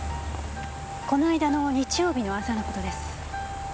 この間の日曜日の朝のことです。